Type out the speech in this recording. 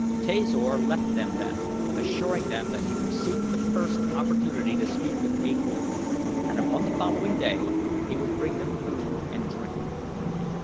Tasor left them then assuring them that he would seek the first opportunity to speak with A Kor, and upon the following day he would bring them food and drink.